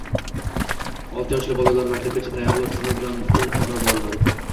olti yoshli bolalar maktabgacha tayyorlov tizimi bilan to‘liq qamrab olinadi.